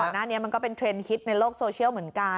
หน้านี้มันก็เป็นเทรนด์ฮิตในโลกโซเชียลเหมือนกัน